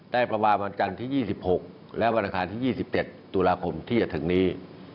ประมาณวันจันทร์ที่๒๖และวันอังคารที่๒๗ตุลาคมที่จะถึงนี้